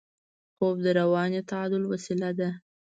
خوب د رواني تعادل وسیله ده